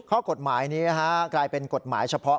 ข้อกฎหมายนี้กลายเป็นกฎหมายเฉพาะ